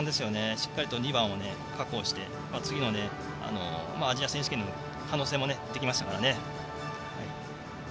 しっかりと２番を確保して次のアジア選手権の可能性も出ましたからね。